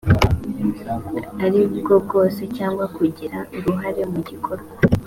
ari bwo bwose cyangwa kugira uruhare mu gikorwa